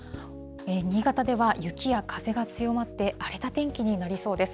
新潟では雪や風が強まって、荒れた天気になりそうです。